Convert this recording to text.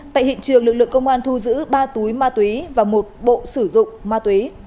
tại hiện trường lực lượng công an thu giữ ba túi ma túy và một bộ sử dụng ma túy